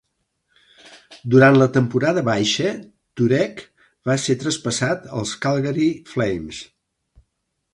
Durant la temporada baixa, Turek va ser traspassat als Calgary Flames.